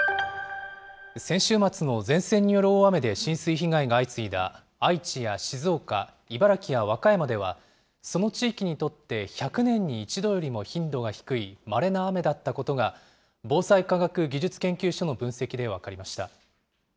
先週末の前線による大雨で浸水被害が相次いだ愛知や静岡、茨城や和歌山では、その地域にとって１００年に１度よりも頻度が低いまれな雨だったことが、防災科学技術研究所の分析で分かりました。